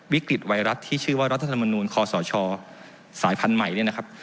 ไวรัสที่ชื่อว่ารัฐธรรมนูลคอสชสายพันธุ์ใหม่เนี่ยนะครับ